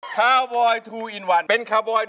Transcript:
คาวบอยทูอินวัน